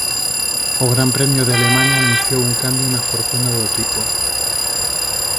O Gran Premio de Alemaña anunciou un cambio na fortuna do equipo.